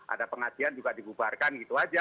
ada pengajian juga dibubarkan gitu aja